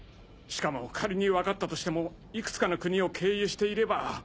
しかも仮に分かったとしても幾つかの国を経由していれば。